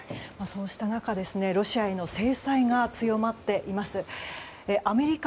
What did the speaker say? そうした中、ロシアへの制裁が強まっています。